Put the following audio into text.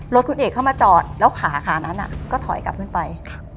รถคุณเอกเข้ามาจอดแล้วขาขานั้นก็ถอยกลับขึ้นไป